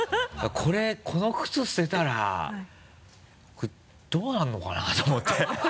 これこの靴捨てたらどうなるのかなと思って。